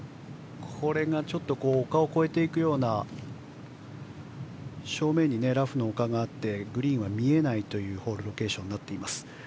これが丘を越えていくような正面にラフの丘があってグリーンが見えないというホールロケーションになっています。